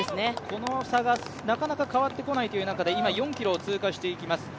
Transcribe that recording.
この差がなかなか変わってこないという中で、今、４ｋｍを通過しています。